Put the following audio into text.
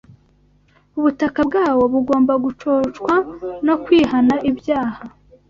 Ubutaka bwawo bugomba gucocwa no kwihana ibyaha